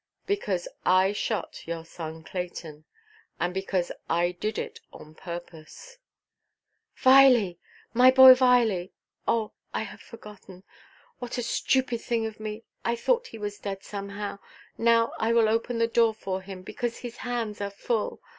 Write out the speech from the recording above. "Because I shot your son Clayton; and because I did it on purpose." "Viley! my boy Viley! Oh, I had forgotten. What a stupid thing of me! I thought he was dead somehow. Now, I will open the door for him, because his hands are full.